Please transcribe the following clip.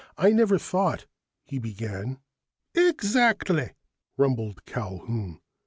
"I never thought " he began. "Exactly," rumbled Culquhoun.